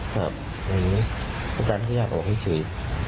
ครับประกันพญาติออกให้เฉย